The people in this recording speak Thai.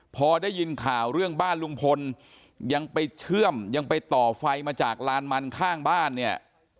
พอได้ยินข่าวเรื่องบ้านลุงพลยังไปเชื่อมยังไปต่อไฟมาจากลานมันข้างบ้านเนี่ย